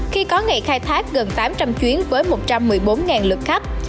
khi có ngày khai thác gần tám trăm linh chuyến với một trăm một mươi bốn lượt khách